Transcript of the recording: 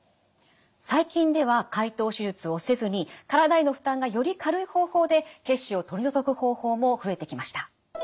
最近では開頭手術をせずに体への負担がより軽い方法で血腫を取り除く方法も増えてきました。